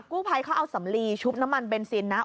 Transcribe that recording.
กู้ภัยเขาเอาสำลีชุบน้ำมันเบนซินนะ